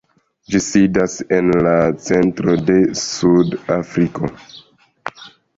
Ĝi sidas en la centro de Sud-Afriko.